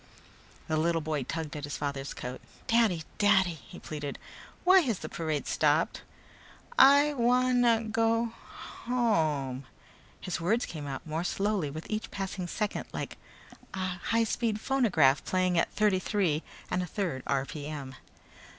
The little boy tugged at his father's coat. "Daddy! Daddy," he pleaded, "why has the parade stopped? I wan na go home " His words came more slowly with each passing second, like a high speed phonograph playing at thirty three and a third r.p.m.